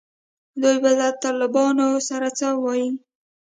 دوی به له طالبانو سره څه وایي.